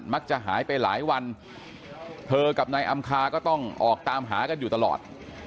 จะไปหายไปหลายวันเธอกับนายอำคาก็ต้องออกตามหากันอยู่ตลอด